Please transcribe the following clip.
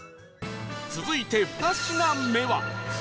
続いて２品目は